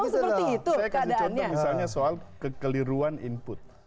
saya kasih contoh misalnya soal kekeliruan input